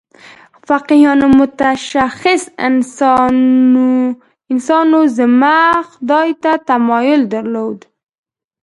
فقیهانو متشخص انسانوزمه خدای ته تمایل درلود.